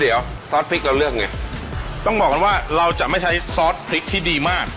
เดี๋ยวซอสพริกเราเลือกไงต้องบอกก่อนว่าเราจะไม่ใช้ซอสพริกที่ดีมาก